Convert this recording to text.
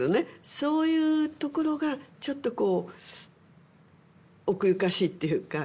そういうところがちょっとこう奥ゆかしいっていうか